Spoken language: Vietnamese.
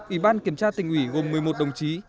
ủy ban kiểm tra tỉnh ủy gồm một mươi một đồng chí